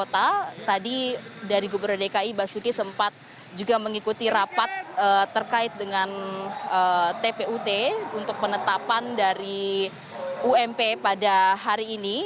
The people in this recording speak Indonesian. tadi dari gubernur dki basuki sempat juga mengikuti rapat terkait dengan tput untuk penetapan dari ump pada hari ini